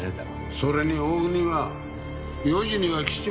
それに大國は４時には来ちまう。